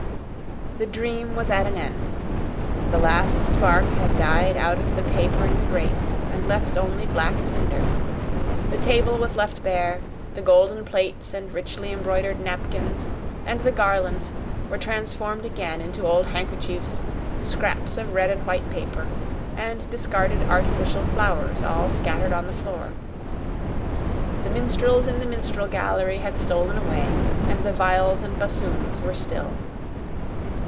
The dream was quite at an end. The last spark had died out of the paper in the grate and left only black tinder; the table was left bare, the golden plates and richly embroidered napkins, and the garlands were transformed again into old handkerchiefs, scraps of red and white paper, and discarded artificial flowers all scattered on the floor; the minstrels in the minstrel gallery had stolen away, and the viols and bassoons were still.